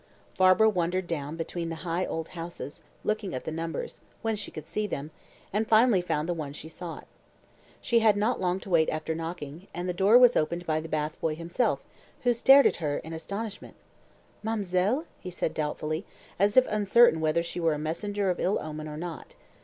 Barbara wandered down between the high old houses, looking at the numbers when she could see them and finally found the one she sought. She had not to wait long after knocking, and the door was opened by the bath boy himself, who stared at her in astonishment. "Ma'm'selle?" he said doubtfully, as if uncertain whether she were a messenger of ill omen or not.